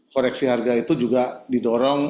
koreksi harga itu juga didorong